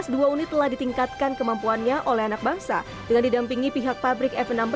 dua unit telah ditingkatkan kemampuannya oleh anak bangsa dengan didampingi pihak pabrik f enam belas